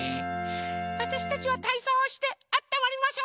あたしたちはたいそうをしてあったまりましょ！